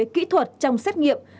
kỹ thuật trong xét nghiệm